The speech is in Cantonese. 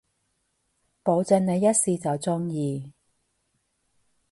保證你一試就中意